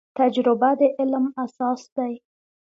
تجربه د علم اساس دی